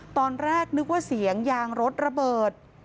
ตอนแรกนึกว่าเสียงยางรถระเบิด